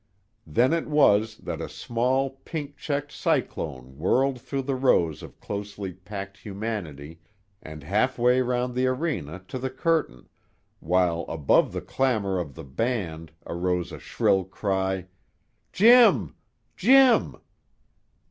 Then it was that a small, pink checked cyclone whirled through the rows of closely packed humanity and half way round the arena to the curtain, while above the clamor of the band arose a shrill cry; "Jim! Jim!"